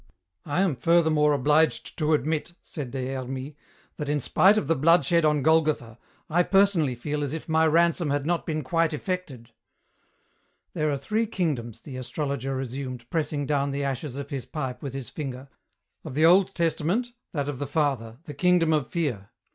"I am furthermore obliged to admit," said Des Hermies, "that in spite of the blood shed on Golgotha, I personally feel as if my ransom had not been quite effected." "There are three kingdoms," the astrologer resumed, pressing down the ashes of his pipe with his finger. "Of the Old Testament, that of the Father, the kingdom of fear.